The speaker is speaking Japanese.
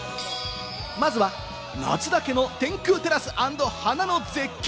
まずは夏だけの天空テラス＆花の絶景！